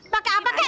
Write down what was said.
pakai apa kek